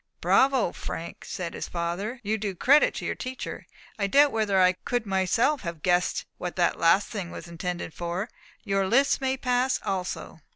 "Bravo, Frank," said his father, "you do credit to your teacher. I doubt whether I could myself have guessed what that last thing was intended for. Your list may pass also.